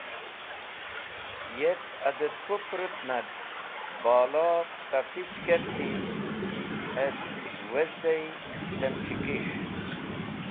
Yet adet k̃hũ pũrũt nag bala pata pich kerti et wezdey tem c̃hikis̃h.